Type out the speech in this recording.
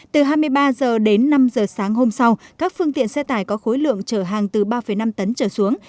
từ hai mươi ba h đến năm h sáng hôm sau các phương tiện xe tải có khối lượng chở hàng từ ba năm tấn trở xuống